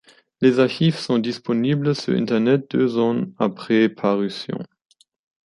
Les archives sont disponibles sur Internet deux ans après parution.